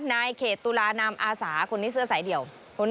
นายเขตตุลานามอาสาคนนี้เสื้อสายเดี่ยว